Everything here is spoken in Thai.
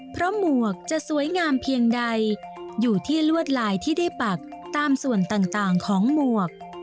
เพราะหมวกจะสวยงามเพียงใดอยู่ที่ลวดลายที่ได้ปักตามส่วนต่างของหมวก